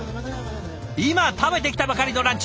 今食べてきたばかりのランチ。